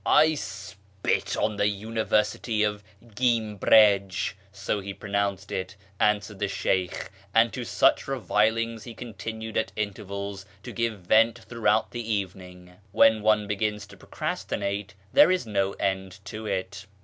" I spit on the University of Gimbrij " (so he pronounced it), answered the Sheykh ; and to such revilings he continued lit intervals to give vent throughout the evening. When one begins to procrastinate there is no end to it.